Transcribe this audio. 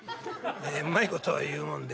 ええうまいことを言うもんで。